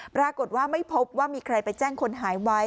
ปรากฏว่าไม่พบว่ามีใครไปแจ้งคนหายไว้